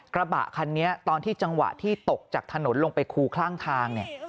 กระบะคันนี้ตอนที่จังหวะที่ตกจากถนนลงไปคูข้างทางเนี่ย